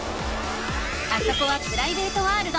あそこはプライベートワールド。